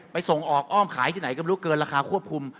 ส่งออกอ้อมขายที่ไหนก็ไม่รู้เกินราคาควบคุม